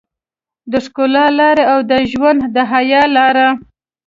د ښکلا لاره او د ژوند د حيا لاره.